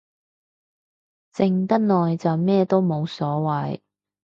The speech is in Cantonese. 靜得耐就咩都冇所謂